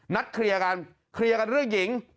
นัดเคลียร์กันเคลียร์กันเรื่องหญิง